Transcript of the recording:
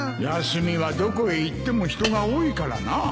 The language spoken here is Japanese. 休みはどこへ行っても人が多いからな